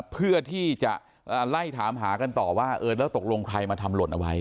เพื่อที่จะไล่ถามหากันต่อว่าเออแล้วตกลงใครมาทำหล่นเอาไว้